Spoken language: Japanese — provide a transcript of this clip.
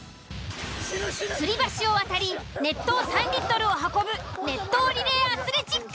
吊り橋を渡り熱湯３リットルを運ぶ熱湯リレーアスレチック。